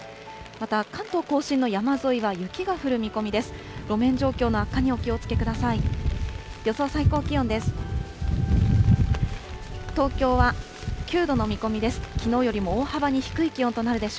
また関東甲信の山沿いは雪が降る見込みです。